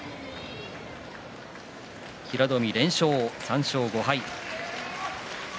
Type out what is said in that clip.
平戸海は連勝、３勝５敗。